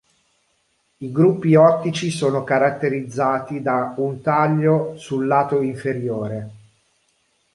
I gruppi ottici sono caratterizzati da un taglio sul lato inferiore.